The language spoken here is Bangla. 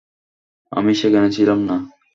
আমি সেখানে ছিলামনা।